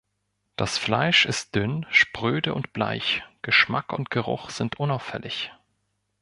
Das Fleisch ist dünn, spröde und bleich, Geschmack und Geruch sind unauffällig.